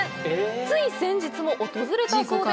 つい先日も訪れたそうです。